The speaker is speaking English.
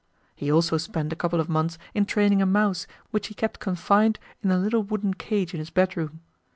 He also spent a couple of months in training a mouse, which he kept confined in a little wooden cage in his bedroom.